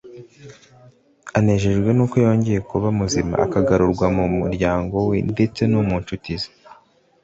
Anejejwe nuko yongcye kuba muzima akagarurwa mu muryango we ndetse no mu nshuti ze,